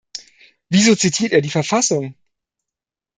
Wieso zitiert er die Verfassung?